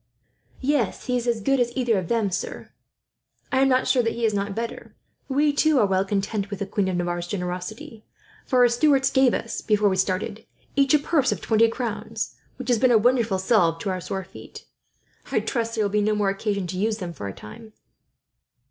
"Yes, he is as good as either of them, sir. I am not sure that he is not better. We, too, are well content with the queen of Navarre's generosity; for her steward gave us, before we started, each a purse of twenty crowns, which has been a wonderful salve to our sore feet. I trust there will be no more occasion to use them, for a time."